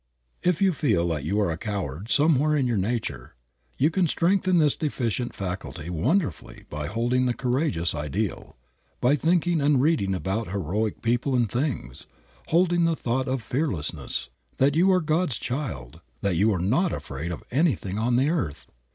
If you feel that you are a coward somewhere in your nature, you can strengthen this deficient faculty wonderfully by holding the courageous ideal, by thinking and reading about heroic people and things, holding the thought of fearlessness, that you are God's child, that you are not afraid of anything on the earth.